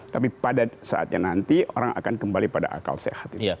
tapi pada saatnya nanti orang akan kembali pada akal sehat